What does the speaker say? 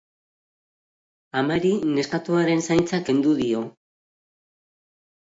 Amari neskatoaren zaintza kendu dio.